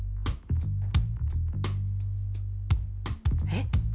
えっ？